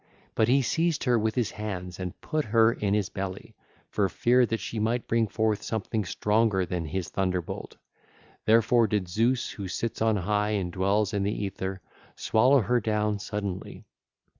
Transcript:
But he seized her with his hands and put her in his belly, for fear that she might bring forth something stronger than his thunderbolt: therefore did Zeus, who sits on high and dwells in the aether, swallow her down suddenly.